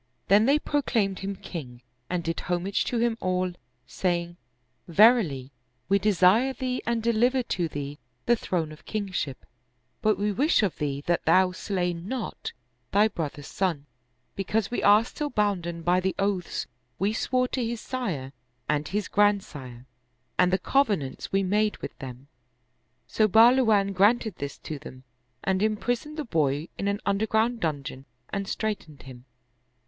Then they proclaimed him king and did homage to him all, saying, " Verily, we desire thee and deliver to thee the throne of kingship; but we wish of thee that thou slay not thy brother's son, because we are still bounden by the oaths we swore to his sire and his grandsire and the cov enants we made with them." So Bahluwan granted this to them and imprisoned the boy in an underground dungeon and straitened him.